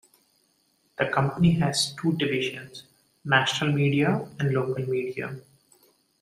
The company has two divisions: National Media and Local Media.